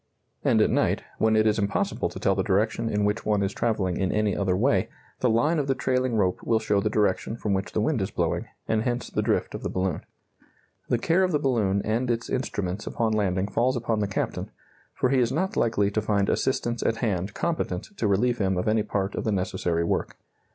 And at night, when it is impossible to tell the direction in which one is travelling in any other way, the line of the trailing rope will show the direction from which the wind is blowing, and hence the drift of the balloon. The care of the balloon and its instruments upon landing falls upon the captain, for he is not likely to find assistants at hand competent to relieve him of any part of the necessary work.